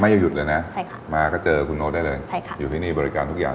ไม่มีวันหยุดเลยนะมาก็เจอคุณโน๊ตได้เลยอยู่ที่นี่บริการทุกอย่าง